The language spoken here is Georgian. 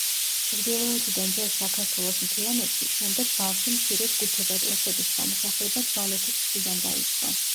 ჩრდილოეთიდან ჯერ საქართველოს მთიანეთში, შემდეგ ბარში მცირე ჯგუფებად ოსების ჩამოსახლება დვალეთის მხრიდან დაიწყო.